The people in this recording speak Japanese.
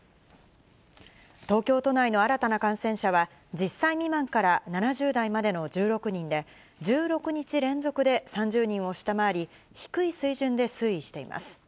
東京都内の新たな感染者は、１０歳未満から７０代までの１６人で、１６日連続で３０人を下回り、低い水準で推移しています。